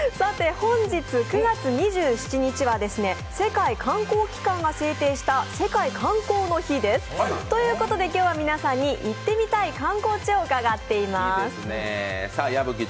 本日９月２７日は世界観光機関が制定した世界観光の日ということで、今日は皆さんに行ってみたい観光地を伺っています。